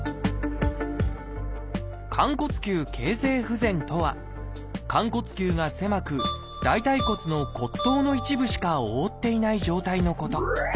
「寛骨臼形成不全」とは寛骨臼が狭く大腿骨の骨頭の一部しか覆っていない状態のこと。